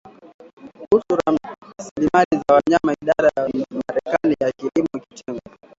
kuhusu Rasilimali za Wanyama Idara ya Marekani ya Kilimo Kitengo